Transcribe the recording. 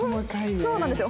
そうなんですよ。